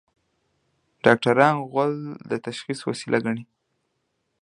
ډاکټران غول د تشخیص وسیله ګڼي.